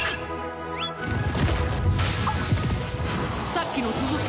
さっきの続き！